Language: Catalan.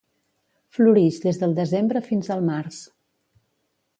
Florix des del desembre fins al març.